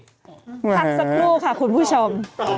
หลังสันครูค่ะคุณผู้ชม